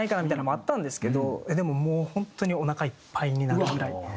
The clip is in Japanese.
みたいなのもあったんですけどでももう本当におなかいっぱいになるぐらい。